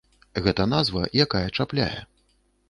Гэта назва, якая чапляе.